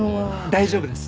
大丈夫です。